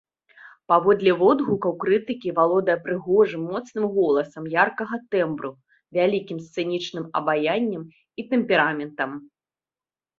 Паводле водгукаў крытыкі, валодае прыгожым моцным голасам яркага тэмбру, вялікім сцэнічным абаяннем і тэмпераментам.